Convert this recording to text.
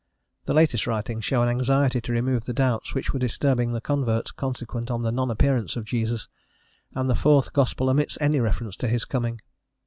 The latest writings show an anxiety to remove the doubts which were disturbing the converts consequent on the non appearance of Jesus, and the fourth gospel omits any reference to his coming.